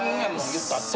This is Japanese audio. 言ったって。